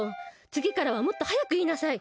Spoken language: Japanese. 次からはもっと早く言いなさい！